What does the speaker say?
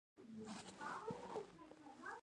مشران آرام پریږده!